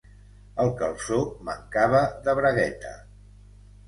El calçó mancava de bragueta.